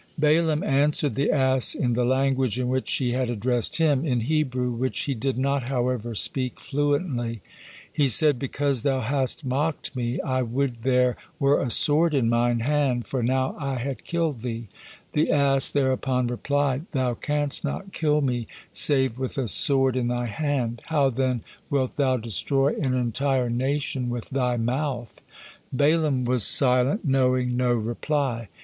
Balaam answered the ass in the language in which she had addressed him, in Hebrew, which he did not, however, speak fluently. He said, "Because thou hast mocked me: I would there were a sword in mine hand, for now I had killed thee." The ass thereupon replied, "Thou canst not kill me save with a sword in thy hand; how then wilt thou destroy an entire nation with thy mouth!" Balaam was silent, knowing no reply.